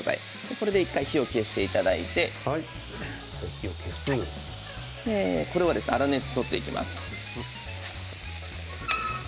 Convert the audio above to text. これで１回火を消していただいてこれは粗熱を取っていきます。